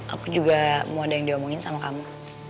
aku juga mau ada yang diomongin sama kamu